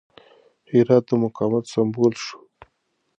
هرات د مقاومت سمبول شو.